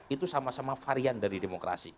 itu sama sama varian dari demokrasi